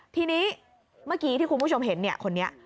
ทีนี้เมื่อกี้ที่คุณผู้ชมเห็นคนนี้